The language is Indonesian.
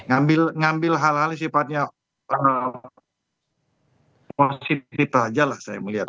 ngambil hal hal yang sifatnya positif aja lah saya melihat